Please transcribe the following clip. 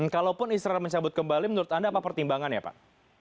kalau pun israel mencabut kembali menurut anda apa pertimbangan ya pak